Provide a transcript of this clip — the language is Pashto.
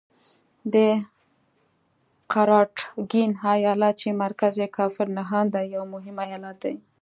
د قراتګین ایالت چې مرکز یې کافر نهان دی یو مهم ایالت دی.